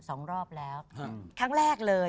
สองรอบแล้วอืมครั้งแรกเลย